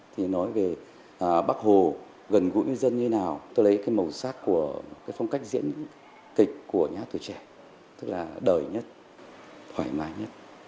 thì nói về bác hồ gần gũi với dân như thế nào tôi lấy cái màu sắc của cái phong cách diễn kịch của nhà hát tuổi trẻ tức là đời nhất thoải mái nhất